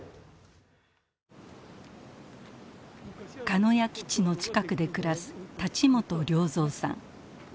鹿屋基地の近くで暮らす立元良三さん。